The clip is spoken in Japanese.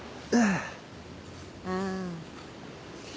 ああ。